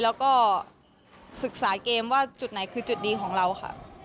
แล้วก็ศึกษาเกมว่าจุดไหนคือจุดดีของเราค่ะ